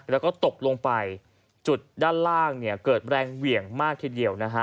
แล้วก็ตกลงไปจุดด้านล่างเนี่ยเกิดแรงเหวี่ยงมากทีเดียวนะฮะ